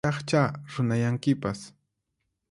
Hayk'aqraqchá runayankipas